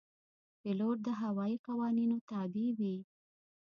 پیلوټ د هوايي قوانینو تابع وي.